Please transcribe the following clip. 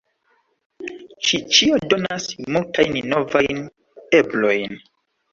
Ĉi ĉio donas multajn novajn eblojn.